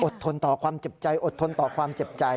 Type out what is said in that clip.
ทนต่อความเจ็บใจอดทนต่อความเจ็บใจ